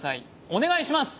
お願いします